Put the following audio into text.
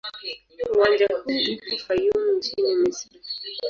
Uwanja huu upo Fayoum nchini Misri.